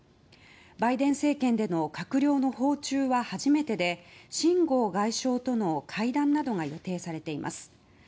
バイデン政権での閣僚の訪中は初めてでシン・ゴウ外相との会談などが予定されています。